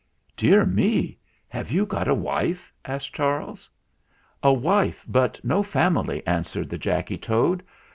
"Dear me! have you got a wife?" asked Charles. "A wife, but no family," answered the Jacky Toad.